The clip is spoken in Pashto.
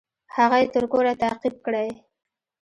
هغه يې تر کوره تعقيب کړى.